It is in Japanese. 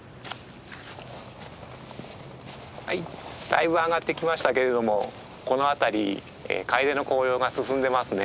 はいだいぶ上がってきましたけれどもこの辺りカエデの紅葉が進んでますね。